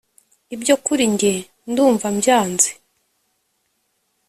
ibyo kuri njye ndumva mbyanze